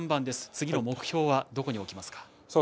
次の目標はどこにおきますか。